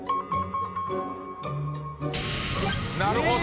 なるほど。